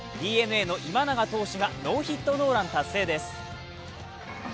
ＤｅＮＡの今永選手がノーヒットノーラン達成です。